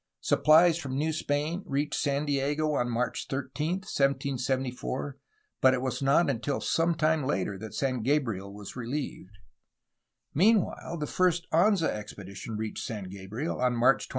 SuppUes from New Spain reached San Diego on March 13, 1774, but it was not until some time later that San Gabriel was reheved. Meanwhile, the first Anza expedition reached San Gabriel, on March 22.